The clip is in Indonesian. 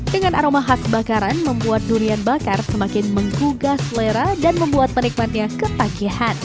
dengan aroma hak bakaran membuat durian bakar semakin menggugah selera dan membuat penikmatnya ketagihan